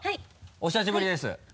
お久しぶりです。